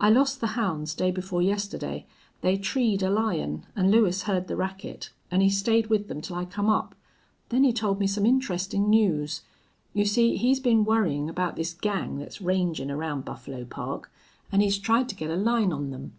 I lost the hounds day before yesterday. They treed a lion an' Lewis heard the racket, an' he stayed with them till I come up. Then he told me some interestin' news. You see he's been worryin' about this gang thet's rangin' around Buffalo Park, an' he's tried to get a line on them.